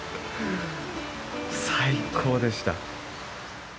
最高でした。